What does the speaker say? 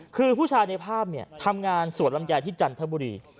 คือผู้ชายในภาพเนี่ยทำงานสวนลำไยที่จันทบุรี